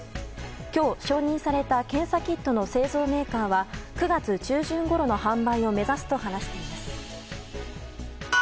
今日承認された検査キットの製造メーカーは９月中旬ごろの販売を目指すと話しています。